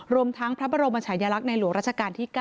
รวมทั้งพระบรมชายลักษณ์ในหลวงราชการที่๙